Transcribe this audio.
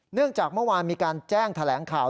เนื่องจากเมื่อวานมีการแจ้งแถลงข่าว